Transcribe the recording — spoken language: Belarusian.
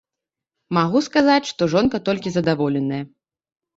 Магу сказаць, што жонка толькі задаволеная.